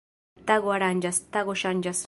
Tago aranĝas, tago ŝanĝas.